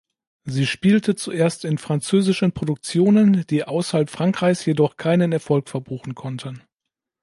Sie spielte zuerst in französischen Produktionen, die außerhalb Frankreichs jedoch keinen Erfolg verbuchen konnten.